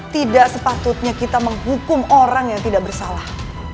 tidak sepatutnya kita menghukum orang yang tidak bersalah